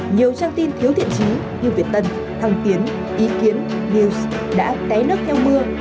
nhiều trang tin thiếu thiện trí như việt tân tiến ý kiến news đã té nước theo mưa